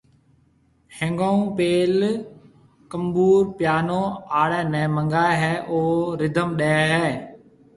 ۿينگون ھونپيل ڪيبور (پيئانو) آڙي ني منگائي ھيَََ او رڌم ڏي ھيَََ